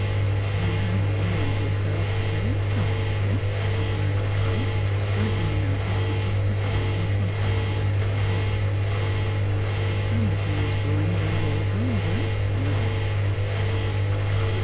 "You have made yourself very comfortable," replied Otway, striking a note as much as possible in contrast to that of his hostess. "Some of these drawings are your own work, no doubt?"